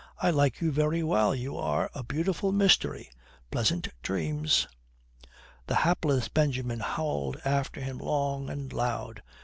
I like you very well. You are a beautiful mystery. Pleasant dreams." The hapless Benjamin howled after him long and loud.